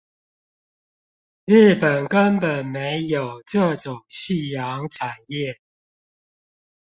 日本根本沒有這種夕陽產業